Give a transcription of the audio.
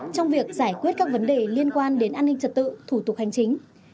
trong việc giải quyết các vấn đề liên quan đến an ninh trật tự thủ tục hành chính